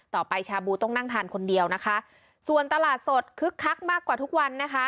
ชาบูต้องนั่งทานคนเดียวนะคะส่วนตลาดสดคึกคักมากกว่าทุกวันนะคะ